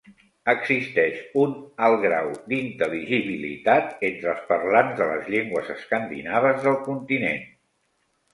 Existeix un alt grau d'intel·ligibilitat entre els parlants de les llengües escandinaves del continent.